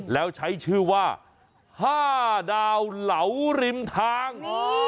แล้วใช้ชื่อว่า๕ดาวเหลาริมทาง